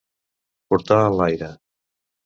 Portar en l'aire.